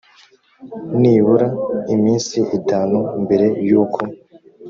nibura iminsi itanu mbere y uko